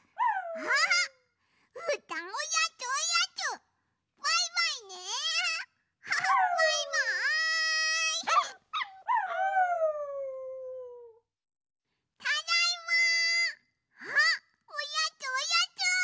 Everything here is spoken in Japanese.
あっおやつおやつ！